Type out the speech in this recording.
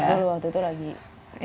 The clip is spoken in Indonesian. bersepuluh waktu itu lagi